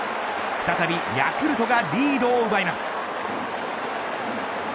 再びヤクルトがリードを奪います。